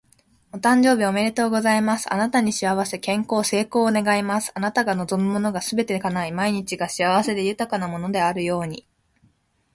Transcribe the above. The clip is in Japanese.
お誕生日おめでとうございます！あなたに幸せ、健康、成功を願います。あなたが望むものがすべて叶い、毎日が幸せで豊かなものであるように。